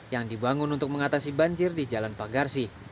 yang dibangun untuk mengatasi banjir di jalan pagarsi